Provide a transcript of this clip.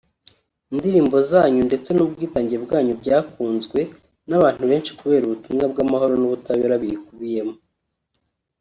Indirimbo zanyu ndetse n’ubwitange bwanyu byakunzwe n’abantu benshi kubera ubutumwa bw’amahoro n’ubutabera bikubiyemo